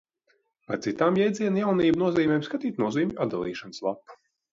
Par citām jēdziena Jaunība nozīmēm skatīt nozīmju atdalīšanas lapu.